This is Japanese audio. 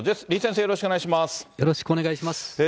李先生、よろしくお願いします。